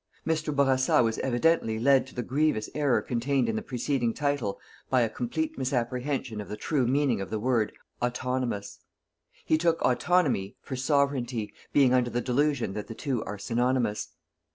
_" Mr. Bourassa was evidently led to the grievous error contained in the preceding title by a complete misapprehension of the true meaning of the word "autonomous." He took "autonomy" for "Sovereignty," being under the delusion that the two are synonymous.